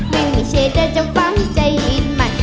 ไม่มีเฉยเจ้าฟังใจยินหมั่น